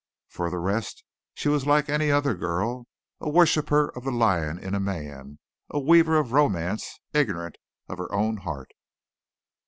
For the rest she was like any other girl, a worshipper of the lion in a man, a weaver of romance, ignorant of her own heart.